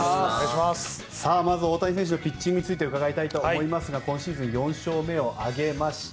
まず大谷選手のピッチングについて伺いたいと思いますが今シーズン４勝目を挙げました。